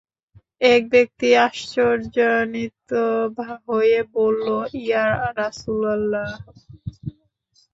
এক ব্যক্তি আশ্চর্যান্বিত হয়ে বলল, ইয়া রাসূলাল্লাহ!